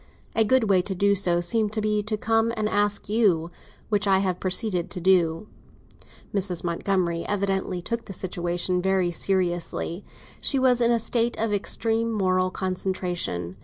A good way to do so seemed to be to come and ask you; which I have proceeded to do." Mrs. Montgomery evidently took the situation very seriously; she was in a state of extreme moral concentration.